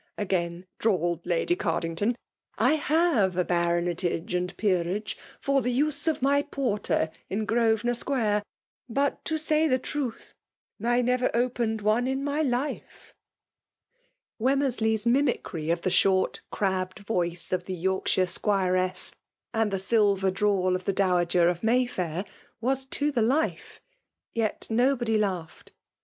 ' wgaih drawled Lady Caxdington; 'I koMe a B* onmetage and Peerage fisr the use of my porter, in Oxosvenor Square; but, to aay the tmtli, I never opened one in my life.* ^ Wemmeraley*s mimicry of the fihort, crabbed voice of the Yorkshire 'squiressj and the silter drawl of the dowager of May Fair^ was to the life; yet nobody laughed.